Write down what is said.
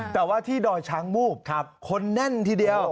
แต่ว่าที่ดอยช้างมูบคนแน่นทีเดียว